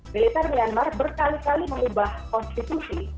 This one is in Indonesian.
militer myanmar berkali kali mengubah konstitusi